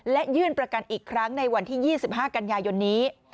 และยื่นประกันอีกครั้งในวันที่๒๕กันยายนนี้